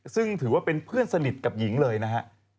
ซึ่งถือว่าเป็นเพื่อนสนิทกับหญิงเลยนะฮะ